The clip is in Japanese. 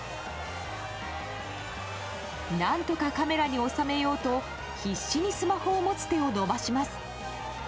何とかカメラに収めようと必死にスマホを持つ手を伸ばします。